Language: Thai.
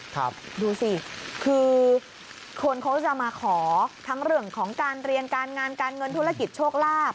ดูสิคือคนเขาจะมาขอทั้งเรื่องของการเรียนการงานการเงินธุรกิจโชคลาภ